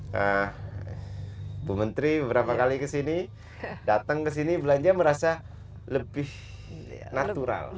nah bu menteri beberapa kali ke sini datang ke sini belanja merasa lebih natural